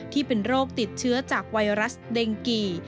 ที่เป็นโรคติดเชื้อจากไวรัสเด็งกี่